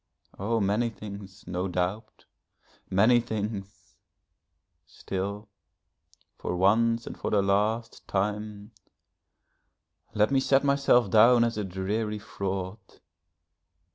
Oh, many things, no doubt, many things. Still, for once and for the last time, let me set myself down as a dreary fraud.